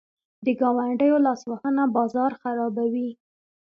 د ګاونډیو لاسوهنه بازار خرابوي.